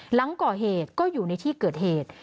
หลังก่อเหตุก็อยู่ในที่เกิดเหตุ